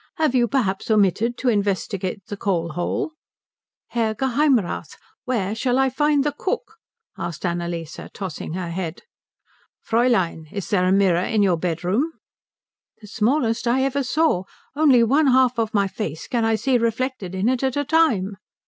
Have you perhaps omitted to investigate the coal hole?" "Herr Geheimrath, where shall I find the cook?" asked Annalise tossing her head. "Fräulein, is there a mirror in your bedroom?" "The smallest I ever saw. Only one half of my face can I see reflected in it at a time."